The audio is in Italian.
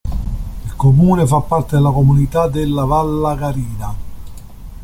Il comune fa parte della Comunità della Vallagarina.